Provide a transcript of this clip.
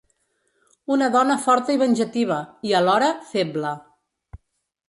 Una dona forta i venjativa i, alhora, feble.